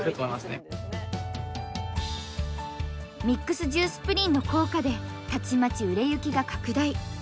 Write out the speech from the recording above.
ミックスジュースプリンの効果でたちまち売れ行きが拡大。